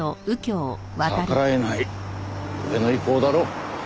逆らえない上の意向だろう。